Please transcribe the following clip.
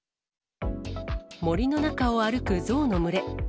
森の中を歩くゾウの群れ。